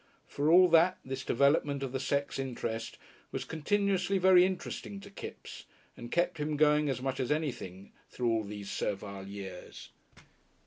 For all that, this development of the sex interest was continuously very interesting to Kipps, and kept him going as much as anything through all these servile years.